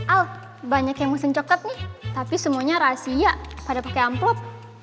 ah banyak yang mesin coklat nih tapi semuanya rahasia pada pakai amplop